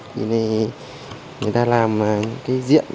thì người ta làm cái diện